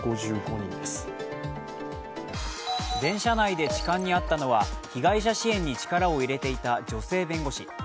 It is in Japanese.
電車内で痴漢に遭ったのは被害者支援に力を入れていた女性弁護士。